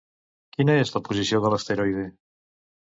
Quina és la posició de l'asteroide?